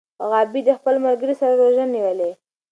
غابي د خپل ملګري سره روژه نیولې.